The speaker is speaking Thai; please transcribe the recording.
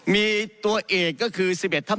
มีตัวเอกก็คือ๑๑ทับ๑